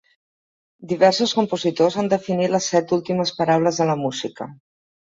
Diversos compositors han definit les set últimes paraules de la música.